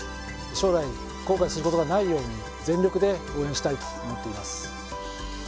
将来後悔することがないように全力で応援したいと思っています